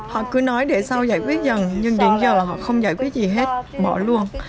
họ cứ nói để sau giải quyết dần nhưng đến giờ họ không giải quyết gì hết mỏ luôn